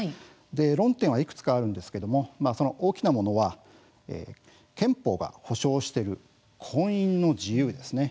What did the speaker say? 論点はいくつかあるんですけれども大きなものは憲法が保障している婚姻の自由ですね。